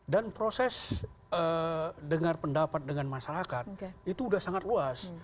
dan proses dengar pendapat dengan masyarakat itu sudah sangat luas